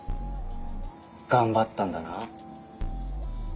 頑張ったんだな。